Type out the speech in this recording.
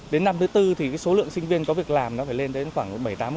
đến năm thứ tư thì số lượng sinh viên có việc làm nó phải lên đến khoảng bảy mươi tám